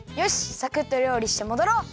サクッとりょうりしてもどろう！